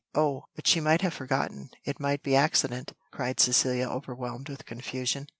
"Oh, but she might have forgotten, it might be accident," cried Cecilia, overwhelmed with confusion.